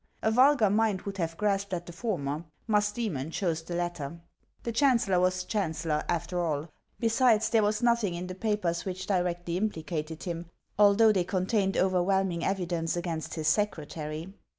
A vulgar mind would have grasped at the former: Mus diemou chose the latter. The chancellor was chancellor, after all ; besides, there was nothing in the papers which directly implicated him, although they contained over whelming evidence against his secretary.